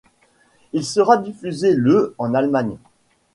Il sera diffusé le en Allemagne.